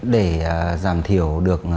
để giảm thiểu được